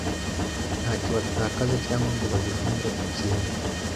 Ntacyo batakaza cyangwa ngo bajugunye ikintu.